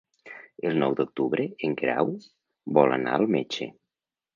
El nou d'octubre en Guerau vol anar al metge.